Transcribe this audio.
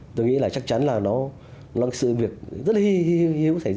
tôi nghĩ là chắc chắn là nó là sự việc rất là hữu ích xảy ra